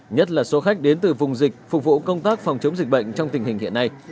nhất là số khách đến từ vùng dịch phục vụ công tác phòng chống dịch bệnh trong tình hình hiện nay